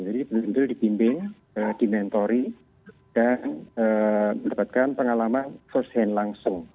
jadi benar benar dibimbing dimentori dan mendapatkan pengalaman firsthand langsung